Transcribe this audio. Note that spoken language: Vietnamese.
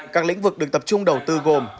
các lĩnh vực được tập trung đầu tư gồm